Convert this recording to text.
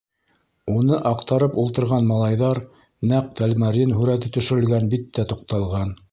Уны аҡтарып ултырған малайҙар нәҡ Тәлмәрйен һүрәте төшөрөлгән биттә туҡталған.